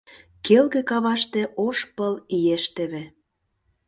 Келге каваште ош пыл иеш теве